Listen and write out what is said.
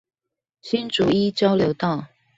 新竹一交流道